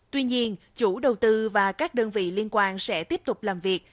tuy nhiên chủ đầu tư và các đơn vị liên quan sẽ tiếp tục làm việc